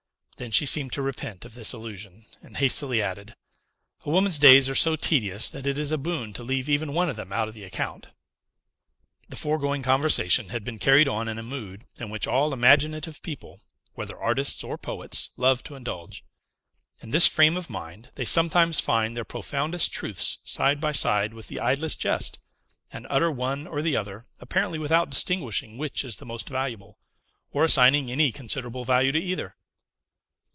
Then she seemed to repent of this allusion, and hastily added, "A woman's days are so tedious that it is a boon to leave even one of them out of the account." The foregoing conversation had been carried on in a mood in which all imaginative people, whether artists or poets, love to indulge. In this frame of mind, they sometimes find their profoundest truths side by side with the idlest jest, and utter one or the other, apparently without distinguishing which is the most valuable, or assigning any considerable value to either.